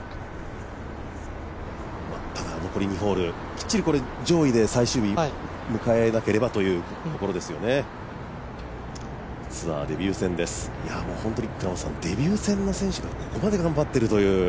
ただ残り２ホール、きっちり上位で最終日を迎えなければというところですよね、ツアーデビュー戦ですデビュー戦の選手がここまで頑張っているという。